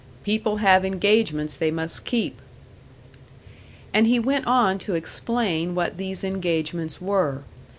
"People have engagements they must keep." And he went on to explain what these engagements were.